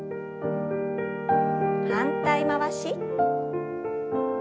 反対回し。